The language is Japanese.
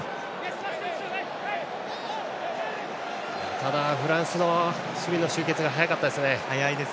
ただ、フランスの守備の集結が早かったですね。